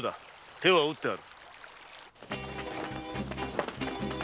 手はうってある。